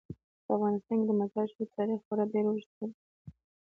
په افغانستان کې د مزارشریف تاریخ خورا ډیر اوږد تاریخ دی.